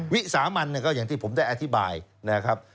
วิสามันก็อย่างที่ผมได้อธิบายนะครับ